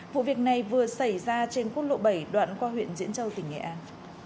vụ việc này vừa xảy ra trên quốc lộ bảy đoạn qua huyện diễn châu tỉnh nghệ an